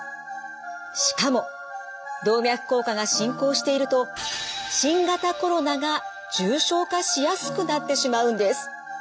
しかも動脈硬化が進行していると新型コロナが重症化しやすくなってしまうんです。